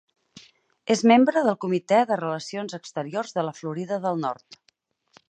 És membre del Comitè de Relacions Exteriors de la Florida del Nord.